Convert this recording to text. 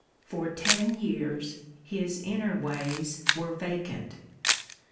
For ten years his inner ways were vacant.